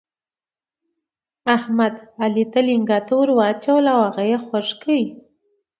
احمد، علي ته لنګته ور واچوله او هغه يې خوږ کړ.